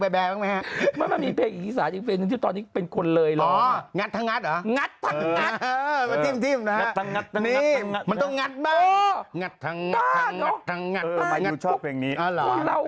ผมก็จะธิ่มเลยนะ